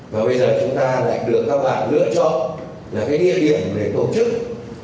và bây giờ chúng ta lại được các bạn lựa chọn là cái địa điểm để tổ chức